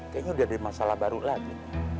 kayanya udah ada masalah baru lagi